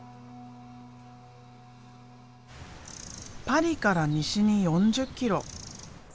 パリから西に４０キロ。